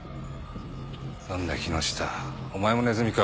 何だ木下お前もネズミか。